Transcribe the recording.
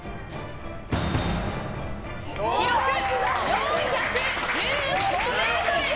記録、４１５ｍ！